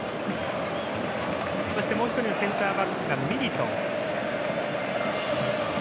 そしてもう１人のセンターバックがミリトン。